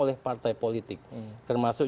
oleh partai politik termasuk